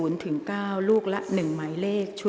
กรรมการท่านที่ห้าได้แก่กรรมการใหม่เลขเก้า